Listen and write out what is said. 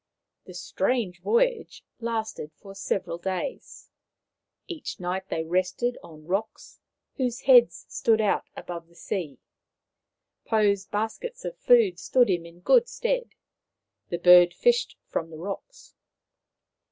The strange voyage lasted for several days. Each night they rested on rocks whose heads stood out above the sea. Pou's baskets of food stood him in good stead. The bird fished from the rocks.